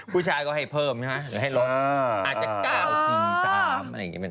ผู้ชายก็ให้เพิ่มใช่ไหมหรือให้ลดอาจจะ๙๔๓อะไรอย่างนี้